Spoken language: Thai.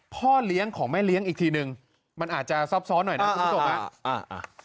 พ่อเลี้ยงของแม่เลี้ยงอีกทีหนึ่งมันอาจจะซ้อมซ้อนหน่อยนะพูดถูกหรือเปล่า